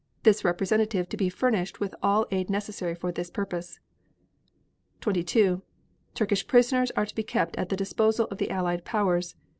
This representative to be furnished with all aid necessary for this purpose. 22. Turkish prisoners are to be kept at the disposal of the Allied Powers.